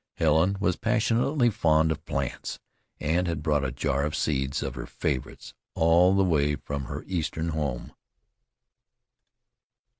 Helen was passionately fond of plants, and had brought a jar of seeds of her favorites all the way from her eastern home.